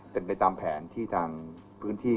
เป็นไปตามแผนที่ทางพื้นที่